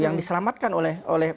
yang diselamatkan oleh mpk